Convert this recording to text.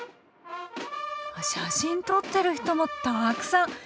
写真撮ってる人もたくさん！